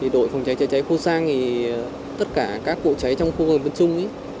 đội phòng cháy chứa cháy khu giang tất cả các cụ cháy trong khu vực vân trung